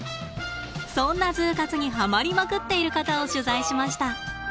そんなＺＯＯ活にはまりまくっている方を取材しました。